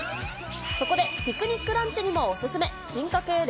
そこでピクニックランチにもお勧め、進化系